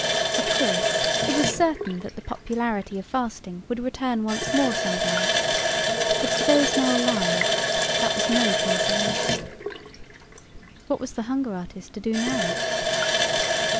Of course, it was certain that the popularity of fasting would return once more someday, but for those now alive that was no consolation. What was the hunger artist to do now?